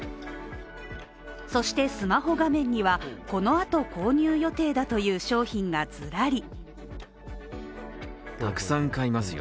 そしてスマホ画面には、このあと購入予定だという商品がズラリ。